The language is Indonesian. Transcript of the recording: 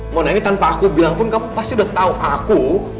mona ini tanpa aku bilang pun kamu pasti sudah tahu aku